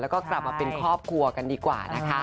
แล้วก็กลับมาเป็นครอบครัวกันดีกว่านะคะ